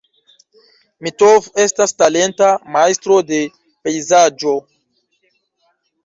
Mitov estas talenta majstro de pejzaĝo.